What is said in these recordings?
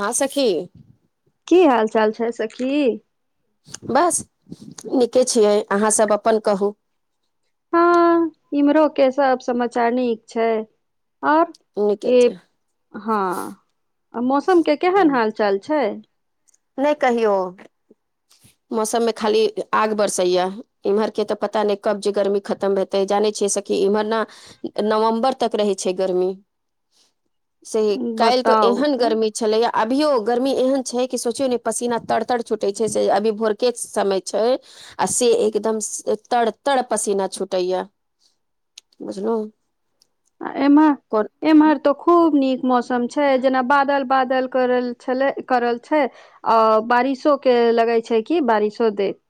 हँ सखी। की हाल-चाल छै सखी? बस, नीके छियै अहाँ सब अपन कहू। हँ इम्हरो के सब समाचार नीक छैय और नीके ई छै हँ आ मौसमके केहन हाल-चाल छै। नैय कहियौ। मौसम में खाली आग बरसैया इम्हर के तऽ पता नैय कब जे गर्मी खतम भे तऽ जानै छियै सकी इम्हर न नवम्बर तक रहै छै गर्मी। [inaudible] सेह काल्हि तो बताउ एहन तऽ गर्मी छलैया अभियो गर्मी एहन छै। सोचियौ ने पसीना तड़ तर छुटे छै से अभी भोरके समय छै। आ से एकदम तड़ तड़ पसीना छूटैया बुझलहु। एमहर। कोन एम्हर तो खूब नीक मौसम छै जेना बादल बादल करल छले करल छै। अ बारिशो के लगे छै कि बारिशो देत।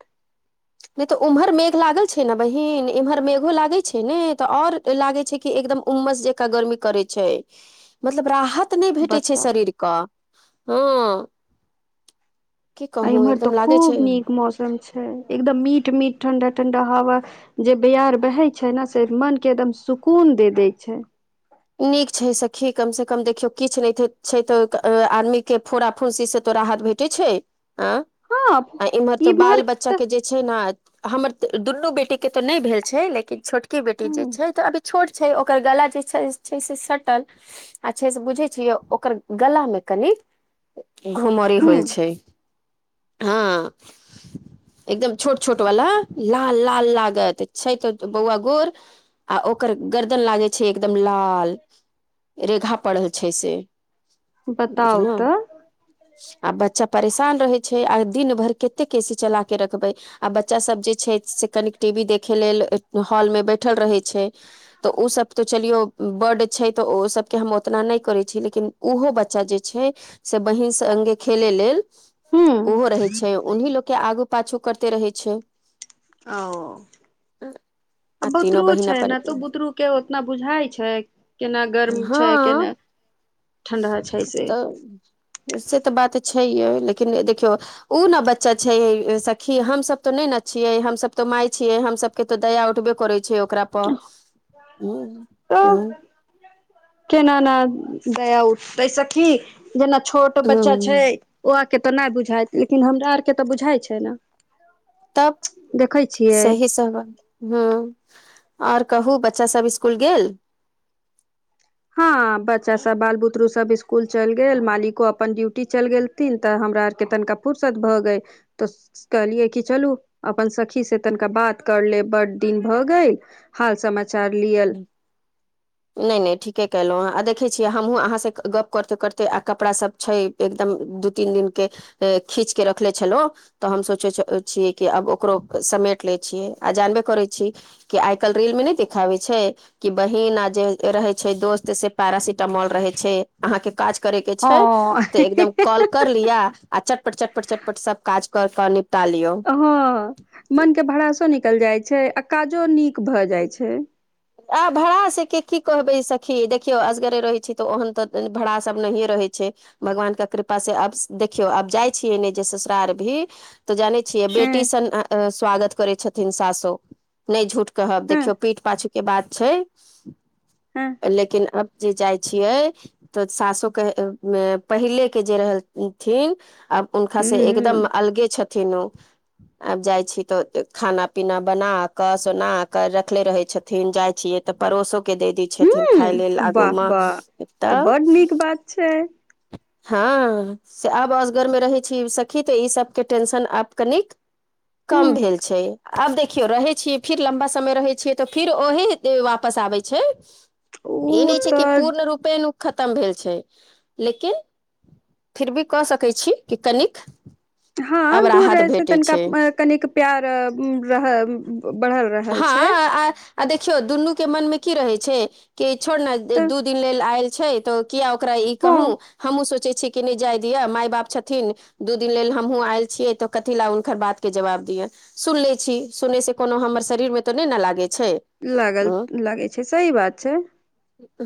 नहि तऽ उम्हर मेघ लागल छै ने बहिन एमहर मेघो लागे छै ने तऽ और लागे छै कि एकदम उमस जे। गर्मी करै छै मतलब राहत। नहि भेटै छै बताउ शरीर ह। आ इम्हर तो खूब नीक मौसम छै एकदम मीट मीट ठंडा ठंडा हवा। जे ब्यार बहै छै ने से मनके एकदम सुकून दे दै छै। नीक छै सखी कम से कम देखियो किछु नहि छै तो आदमी के फोडा फुंसी से तो राहत भेट। ट्य छै हँ इमर त ई बाल मार्क बच्चा। तऽ जे छै ने हमर दुनू बेटी के तऽ नहि भेल छै लेकिन छोटकी। की बेटी जे छै तऽ अभी छोट छै ओकर गला जे छै। छै से सटल आ छै से बुझै छियै ओकर गला मे कनी। घुमरी ह होल छै हँ। एकदम छोट छोट वाला लाल लाल लागत छै तऽ बौआ गोर। आ ओकर गर्दन लागे छै एकदम। रेखा पड़य छै से बताउ बुझलउ। तऽ आ बच्चा परेशान रहे छै आ दिन भरि कते ए सी चला के रखबे। आ बच्चासभ जे छै से कनिक टी वी देखय लेल हॉलमे बैठल रहैत छै। तऽ उसभ तऽ चलियौ। बड छै तऽ ओ सभके हम ओतना नहि करै छी लेकिन उहो बच्चा जे छै। से बहिन सँगे खेले लेल। ह ओहो रहै छै उन्ह लोकके आगू पाछू करते रहै छै। ओ आ तीनो बतरू बहिन छै अपन ने तऽ बुतरू। के ओतना बुझाइ छै केना गर्म छै हँ केना ठण्डा छै से। तऽ से तऽ बात तऽ छैहे लेकिन देखियौ। उ ने बच्चा छै सखी हमसब तो नहि ने छियै हमस तऽ माय छियै हमस। के तऽ दया उठबे करै छै ओकरा पर ह तऽ ह। केना नय दया उठतै सखी जेना छोट बच्चा छै। हूँ ओ आ के तऽ नहि बुझाइत लेकिन हमरा आर के तऽ बुझाइ छै ने। तब देखै छियै सही सबव। ह आऔर कहू बच्चा सब स्कुल गेल। हँ बच्चा सब बाल बुतरु सब स्कुल चलि गेल मालिको अपन ड्यूटी चलि गेल। थिन तऽ हमरा आरके तनिका फुरसत भऽ गय तऽ। कहलियै कि चलू अपन सखी से तनिका बात कर ले बड़ दिन भऽ गेल। हाल समाचार लिअल। नहि नहि ठीके केलहुॅं ह आ देख छ छीय हमहहुँ अहाँ से गप करते करते आ कपड़ा सब छै। एकदम दू तीन दिन के। खींच के रखले छलो तऽ हम सोचे छियै कि आब ओकरो समेट। ले छीय आ जानबे करे छी कि आइ कल् रील में नहि देखाबे। छै कि बहिन आ जे रहै छै दोस्त से पेरासिटामोल रहै छै अहाँके काज करे के छै हँ तऽ एकदम कॉल कर लिया आ चटपट चटपट चटपट सब काज कर के निपटा लियो। ह मन के भडासो निकल जाय छै आ काजो नीक भए जाइ छै। आ भाड़ासके की कहबै सखी देखियौ असगरे रहैत छै तऽ ओहन तऽ भाड़ास नहिए रहैत छै। भगवानके कृपास से आब देखियौ आब जाइ छियै ने जे ससुरार भी। तऽ जाने छियै बेटी हँ सन स्वागत करे छथिन सासो नहि झूठ कहब हँ देखौ पीठ पाछू छैय हँ लेकिन अब जे जाइ छियै तऽ सासु। पहले के जे रहल थिन आब हुनका हूँ से हूँ एकदम अगले छै थीन ओ। आब जाइ छी तऽ खाना पीना बना क सोना क रखले रहे छथीन। छथिन जाइ छियै तऽ पड़ोसो के द दे छथिन खाय लेल हूँ आगू वाह मे वाह तऽ तब बड नीक बात छै। हँ से आब असगरमे रहैत छी सखी तऽ ईसभके टेंशन आब कनिक हूँ कम भेल छै। आब देखियौ रहै छियै फिर लम्बा समय रहै छियै तऽ फिर ओही वापस आबै छै। ई उ नहि छै कि तऽ पूर्ण रूपेण खतम भेल छै। लेकिन फिर भी कऽ सकैत छी कि कनिक। हँ आब दूर रहै राहत से भेटै तनिका छै कनिक प्यार बढ़ल रहल हँ छै। आ आ देखियौ दुन्नू के मन मे की रहे छै कि छोड़ ने तऽ दू दिन लेल आयल छै तऽ किया ओकरा ई हँ कहू हमहहुँ सोचै छीय कि नहि जाय दि य माय बाप छथिन। दू दिन लेल हमहूँ आयल छियै तऽ कथी लए हुनकर बातके जवाब दियअन। सुन ले छी सुनयसँ कोनो हमर शरीरमे तऽ नहि ने लागैत छै। लागल लागै छै सही बात छै।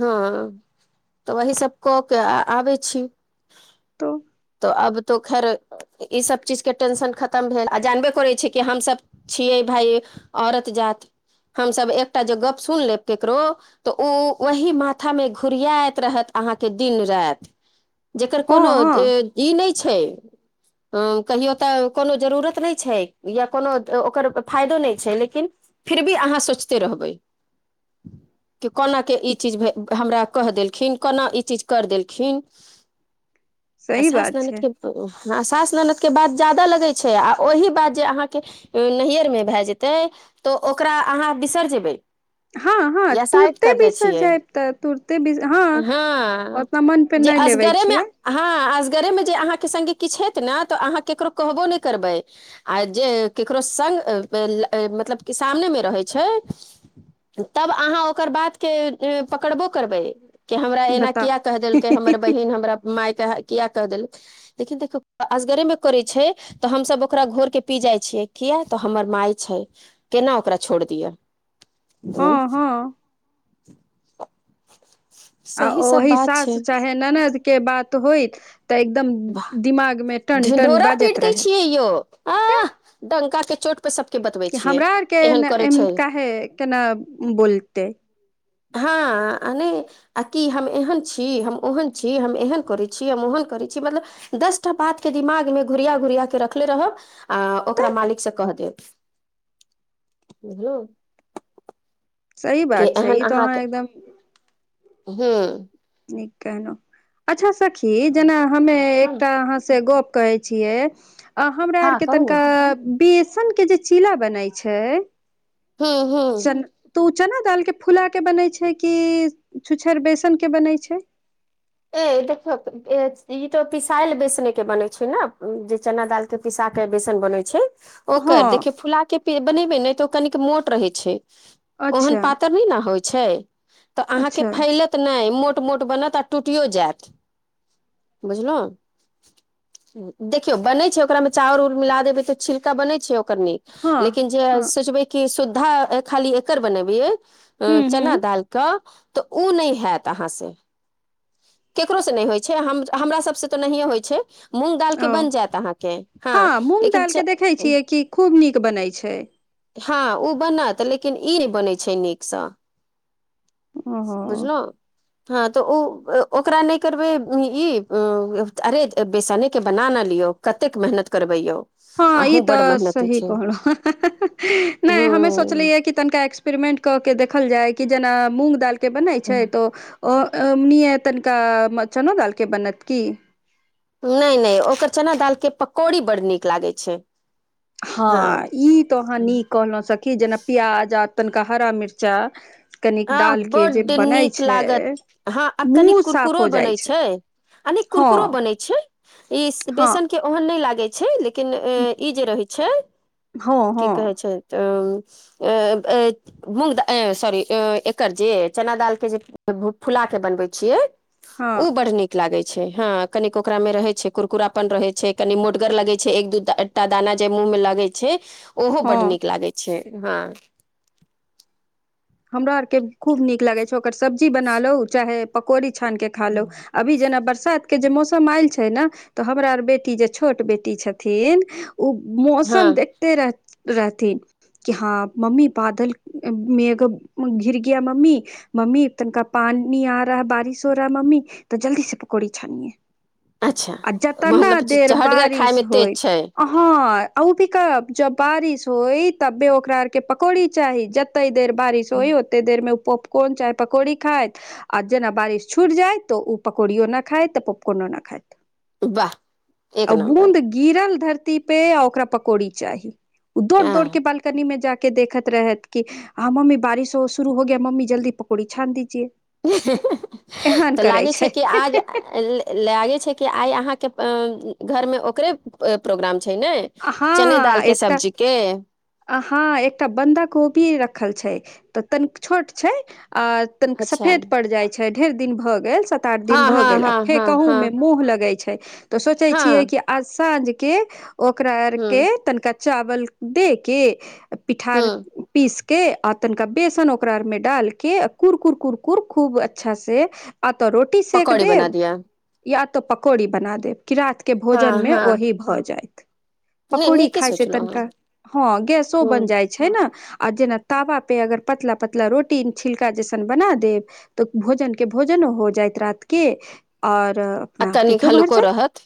हँ तऽ वही सब कऽ के आबै छी। तो तऽ अब तो खर। ईसभ चीज के टेंशन खतम भेल आ जानबे करै छी कि हमसभ छियै भाय। औरत जाति हम सब एकटा जे गप सुन लेब ककरो तऽ ओ वही माथा मे घुरियाइत रहत अहाँके। दिन राति जेकर हँ कोनो हँ ई नहि छै। कहियो तऽ कोनो जरूरत नहि छै या कोनो ओकर फायदो नहि छै लेकिन। फिर भी अहाँ सोचिते रहबै। कि कोना के ई चीज हमरा कहहि देलखिन कोना ई चीज। कर देलखिन आ सही सास बात नानद छै के सास ननदके बात जादा लगैत छै आ ओहि बात जे अहाँके नैहरमे भए जेतै तऽ ओकरा अहाँ बिसरि जेबै। हँ हँ या साइड तुरते कर दै बिसर छियै जायब तऽ तुरते बिसर हँ ओतना मन पे जे नहि लेबे असगरेमे छियै हँ असगरे मे जे अहाँके सङ्गे किछु हेत ने तऽ अहाँ केकरो कहबो नहि करबै। आ जे ककरो सङ्ग मतलब कि सामनेमे रहै छै। तब अहाँ ओकर बातके पकड़बो करबै। के हमरा एना बताउ किया क देलकै हमर बहिन हमरा मायके किया क देल देखीयो देखियौ असगरे मे करै छै। तऽ हमसभ ओकरा घोरके पी जाइ छियै किया तऽ हमर माय छै केना ओकरा छोड़ दिअ। हँ [unintelligible] हँ आ सही सब ओहि बात छै सास चाहे ननद के बात होइ तऽ एकदम वाह, दिमाग मे टनटन ढिंढोरा पीट बाजैत दै रहै! छियै यौ [unintelligible] आह डंका के चोट सबके बतबे [unintelligible] कि हमरा आरके काहे केना बोलतै हँ अ न आ की हम एहन छी हम ओहन छी हम एहन करै छी हम ओहन करै छी मतलब दस टा बातके दिमागमे घुरिया घुुरियाके रखले रहब आ तऽ ओकरा मालिकसँ कह देब। जो। सही बात छै एहन ई तो अहाँके अहाँ एकदम। हूँ। नीक कहलहु अच्छा सखी जेना हमे हँ एकटा अहाँ से गप कहै छियै आ हमरा आरके कहू तनिका ने बेसनके जे चीला बनै छै। हँ-हँ। चन तऽ ओ चना दालिके फुलाके बनैत छै कि छु्छाड़ बेसनके बनैत छै। ए देखिय ई तो पिसायल बेसने के बने छै ने जे चना दाल के। पिसा के बेसन बनै छै। हँ ओकर देखियौ फुला के बनेबे ने ते ओ कनिक मोट रहे छै ओहन अच्छा पातर नहि ने होय त अहाँके अच्छा फैलत नहि मोट-मोट बनत आ टुटियो जायत बुझलहु। देखियौ बने छै ओकरा में चाउर उऊर मिला देबै तऽ छिलका बनै छै ओकर नीक। हँ लेकिन जे हँ सोचबै कि सुद्धा खाली एकर बनेबिय अ हूँ हूँ चना दाल के तऽ उ नहि होत अहाँ से। केकरोसँ नहि होइ छै हम हमरा सभसँ तऽ नहिए होइ छै। मुंग दाल के ओ बनी जेत अहा से हँ मूँग लेकिन दालि के च देखै छियै कि खूब नीक बनै छै हँ ओ बनत लेकिन ई नहि बनैत छै नीकसँ। ओहो बुझल हँ तऽ ओ ओकरा नहि करबै ई अरे बेसनेके बना न लियौ। कतेक मेहनत करबै यौ। हँ ई अहूँ बड तऽ मेहनती सही छै कहल नहि हममे हूँ सोचलिय कि तनिका एक्सपेरिमेंट कऽ के देखल जाय कि जेना मूंग दाल के बनैत छै तऽ ओ तनिका मचनो दालके बनत की। नहि-नहि ओकर चना दालके पकौड़ी बड्ड नीक लागै छै। हँ ई तो अहाँ नीक कहलहु सखी जेना प्याज आ तनिका हरा मिर्चा कनिक आ डाल के जे बड्ड बनै नीक छै लागत हँ आ कनि मुँह साफ कुरकुरो हो जाइ बनैत छै। अने हँ कुरकुरो बनै छै ई हँ बेसन के ओहन नहि लागे छै लेकिन ई जे रहै छै हँ की कहे हँ छै। तउ आ ए मुंगदा आ सॉरी। एकर जे चना दाल के जे फूला के बनवे छीये उ हँ बड़ नीक लागे छै हँ कनिक ओकरा मे रहे छै कुरकुरापन रहे छै कनि मोटगर लगे छै एक दू कुटा दाना जे मुँह मे लगै छै ओहो हँ बड्ड नीक लागै छै हँ। हमरा आरके खूब नीक लागै छै ओकर सब्जी बना लो चाहे पकौड़ी छानि कऽ खा लो। अभी जेना बरसातके जे मौसम आयल छै ने। तऽ हमरा आर बेटी जे छोट बेटी छथिन, ओ हँ मौसम देख। ते रह, रहथिन कि हँ मम्मी बादल में एगो। घिरगिया मम्मी। मम्मी तनिका पानी आ रहा बारिश हो रहा मम्मी, तऽ जल्दी से पकौड़ी छानिय। अच्छा आ जतना मतलब देर चहटगर बारिश खायमे तेज होइ। छै हऽ ऊ भी कब जब बारिश होई तबे ओकरा आर के पकौड़ी चाही, जते देर बारिश। होए, ओते देर में ओ पोप कोन चाहे पकोड़ी खाइत। आ जेना बारिश छूटि जाइ तऽ ओ पकोड़ी नहि खायत पोपकनो नहि खायत। वाह एक आ नम्बर बुन्द गिरल धरती पे आ ओकरा पकौड़ी चाही। ओ आँ दौड़-दौड़ के बालकनी में जाके देखैत रहैत कि हँ मम्मी बारिश। शुरू हो गया मम्मी जल्दी पकौड़ी छान दजिए। तऽ लागै छै कि आज। लागै छै कि आइ अहाँके घर में ओकरे प्रोग्राम छै ने। चने दाल के एकटा सब्जी के। हँ एकटा बन्धा कोबी रखल छै, तऽ तनिक छोट छै आ। तनिक अच्छा सफेद पड़ि जाइ छै, ढेर दिन भऽ गेल। आठ हँ दिन भऽ हँ गेल, आ हँ हँ फेंकहू हँ में मोह लगै छै तऽ सोचै हँ छियै कि। आ साँझ के ओकरा आर हूँ के तनिका चावल दे के। हूँ पिठार। पीसके, आ तनिका बेसन ओकरा आर में डालिके कुरकुर- कुरकुर खूब अच्छासँ। आ तो रोटी सेक पकौड़ी बना देब, दिअ या तो पकौड़ी बना देब, कि रात। के हँ भोजन में हँ वही भऽ जायत। नहि पकौड़ी नीके खाय से सोचलहुँ हँ तनिका, हँ गेसो बन हूँ जाय छै। छै न, आ जेना तबा पे अगर पतला-पतला रोटी छिलका जेसन बना देब। तऽ भोजन के भोजन हो जायत रात के, आओर। आ तनीक हलु्को रहत,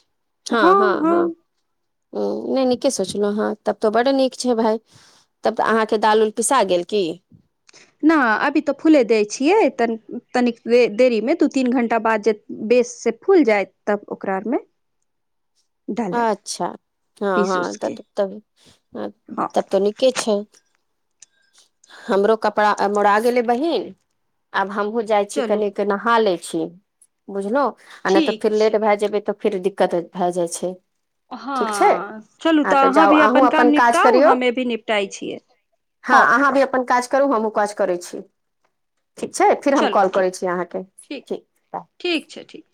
हँ हँ हँ। हूं, नइ नीके सोचलहु हँ, तब तो बड्ड नीक छै भाय। तब तऽ अहाँके दाल-उल पिसा गेल की। नाऽ अभी तऽ फूले दैत छियै, त तनिक देरी में दू-तीन घण्टा बाद जेै। बेस से फूल जाय तब ओकरा आर में। अच्छा, हँ हँ त के तब। आ हँ तब तऽ नीके छै। हमरो कपड़ा आ मोड़ा गेलै बहिन, आब हमहुँ जाइ छी चलू कनिक। के नहा ले छी, बुझलौं आ नहि तऽ ठीक फिर छै लेट भए जेबे तऽ फेर दिक्कत। भए जाइ छै। ठीक छै हँ, चलू हँ तऽ अहाँ जाउ भी अहूँ अपन काम काज निपटाउ करियौ हमें भी निपटाइ छियै। हँ अहाँ भी अपन काज करू, हमहूँ काज करै छी, ठीक छै फेर हम चलू कॉल ठीक करै छी अहाँके। ठीक, ठीक छै ठीक।